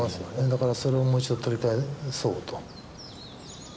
だからそれをもう一度取り返そうと。